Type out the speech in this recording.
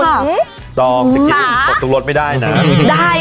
ชาไทยกับอะไรดี